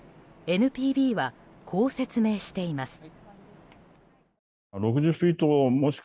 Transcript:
ＮＰＢは、こう説明しています。